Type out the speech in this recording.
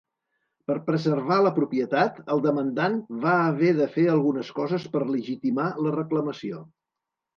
Per preservar la propietat, el demandant va haver de fer algunes coses per legitimar la reclamació.